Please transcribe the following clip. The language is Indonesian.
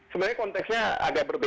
sebenarnya konteksnya agak berbeda